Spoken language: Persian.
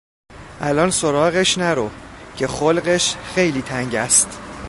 الان سراغش نرو که خلقش خیلی تنگ است.